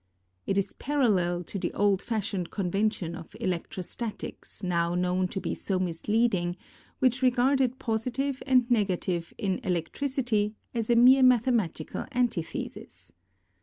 It is parallel to the old fashioned convention of electrostatics now known to be so misleading, which regarded positive and negative in electricity as a mere mathematical antithesis.